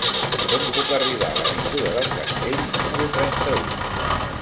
Com puc arribar a l'avinguda del Castell número trenta-u?